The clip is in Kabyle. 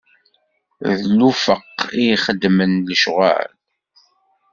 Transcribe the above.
D lufeq i yexeddmen lecɣwal.